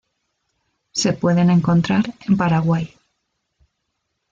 Se pueden encontrar en Paraguay.